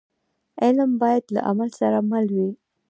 علم باید له عمل سره مل وي.